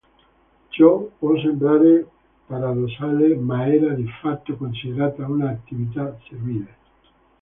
Ciò può sembrare paradossale, ma era di fatto considerata un'attività servile.